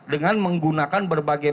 dengan menggunakan berbagai